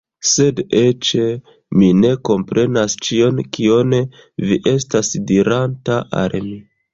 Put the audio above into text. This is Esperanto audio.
Sed eĉ... Mi ne komprenas ĉion kion vi estas diranta al mi